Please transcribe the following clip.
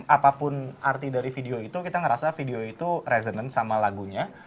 apapun arti dari video itu kita ngerasa video itu resonant sama lagunya